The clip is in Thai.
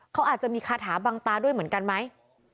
เขาอาจจะมีคาถาบังตาด้วยเหมือนกันไหม